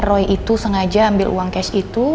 roy itu sengaja ambil uang cash itu